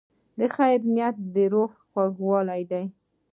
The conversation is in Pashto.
د خیر نیت د روح خوږوالی دی.